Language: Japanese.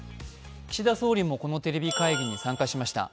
岸田総理も、このテレビ会議に参加しました。